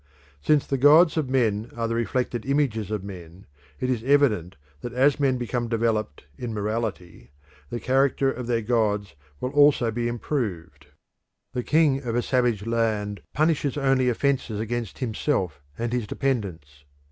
Since the gods of men are the reflected images of men, it is evident that as men become developed in morality the character of their gods will also be improved. The king of a savage land punishes only offences against himself and his dependents.